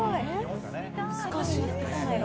難しい。